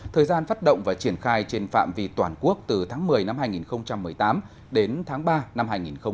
thời gian phát động và triển khai trên phạm vi toàn quốc từ tháng một mươi năm hai nghìn một mươi tám đến tháng ba năm hai nghìn một mươi chín